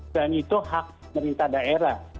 dan itu hak pemerintah daerah